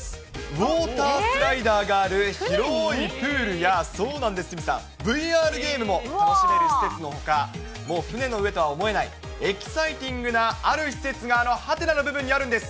ウォータースライダーがある広いプールや、そうなんです、鷲見さん、ＶＲゲームも楽しめる施設のほか、もう船の上とは思えない、エキサイティングなある施設が、はてなの部分にあるんです。